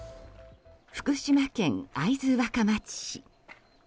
福島県会津若松市。